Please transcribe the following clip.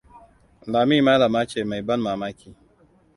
Lami malama ce mai ban mamaki.